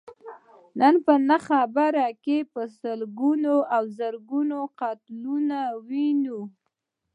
نن په ناخبرۍ کې په سلګونو او زرګونو قتلونه ويني.